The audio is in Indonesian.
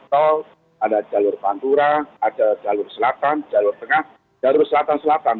tol ada jalur pantura ada jalur selatan jalur tengah jalur selatan selatan